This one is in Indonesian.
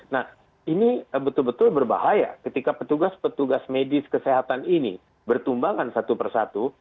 nah ini betul betul berbahaya ketika petugas petugas medis kesehatan ini bertumbangan satu persatu